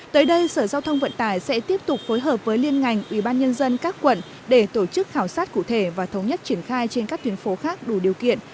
tới đây sở giao thông vận tải sẽ tiếp tục phối hợp với liên ngành ubnd các quận để tổ chức khảo sát cụ thể và thống nhất triển khai trên các tuyến phố khác đủ điều kiện